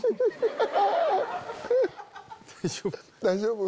大丈夫？